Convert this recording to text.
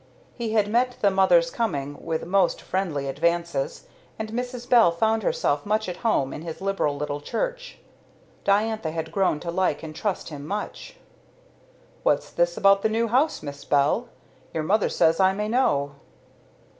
He had met the mother's coming with most friendly advances, and Mrs. Bell found herself much at home in his liberal little church. Diantha had grown to like and trust him much. "What's this about the new house, Miss Bell? Your mother says I may know."